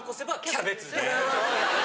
キャベツ。